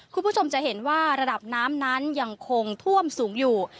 คุณผู้ชมจะเห็นว่าระดับน้ำนั้นยังคงท่วมสูงอยู่